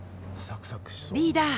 リーダー！